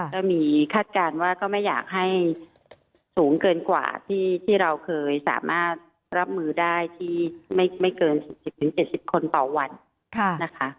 ก็มีคาดการณ์ว่าก็ไม่อยากให้สูงเกินกว่าที่เราเคยสามารถรับมือได้ที่ไม่เกิน๔๐๗๐คนต่อวันนะคะ